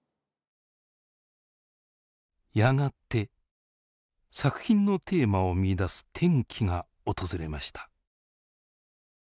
やがて作品のテーマを見いだす転機が訪れました。